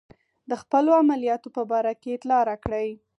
د خپلو عملیاتو په باره کې اطلاع راکړئ.